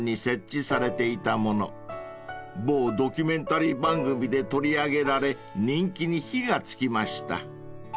［某ドキュメンタリー番組で取り上げられ人気に火が付きました］